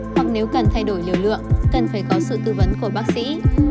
hoặc nếu cần thay đổi liều lượng cần phải có sự tư vấn của bác sĩ